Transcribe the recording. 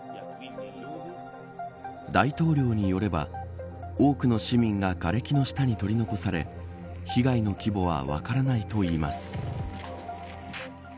大統領によれば多くの市民ががれきの下に取り残され被害の規模は分からないといいます。